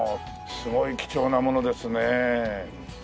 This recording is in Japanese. すごい貴重なものですね。